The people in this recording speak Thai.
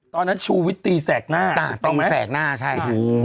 ตอนนั้นชุวิตตีแสกหน้าต้องไหมตีแสกหน้าใช่